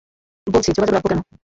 বলছি, যোগাযোগ রাখব কেন?